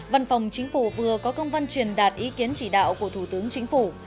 văn phòng chính phủ vừa có công văn truyền đạt ý kiến chỉ đạo của thủ tướng chính phủ